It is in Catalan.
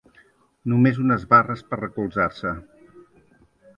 Només unes barres per a recolzar-se.